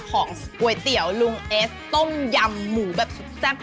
ของก๋วยเตี๋ยวลุงเอสต้มยำหมูแบบสุดแซ่บ